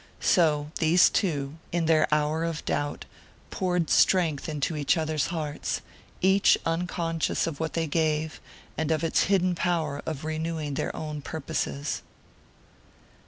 So these two, in their hour of doubt, poured strength into each other's hearts, each unconscious of what they gave, and of its hidden power of renewing their own purposes.